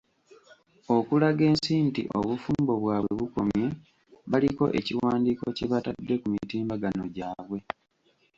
Okulaga ensi nti obufumbo bwabwe bukomye baliko ekiwandiiko kye batadde ku mitimbagano gyabwe.